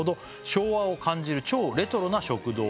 「昭和を感じる超レトロな食堂で」